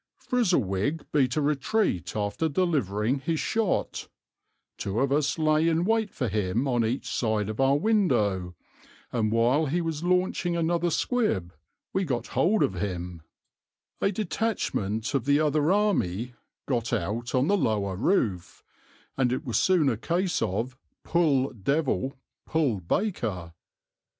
Frizzlewig beat a retreat after delivering his shot, two of us lay in wait for him on each side of our window, and while he was launching another squib we got hold of him; a detachment of the other army got out on the lower roof, and it was soon a case of 'pull devil, pull baker.'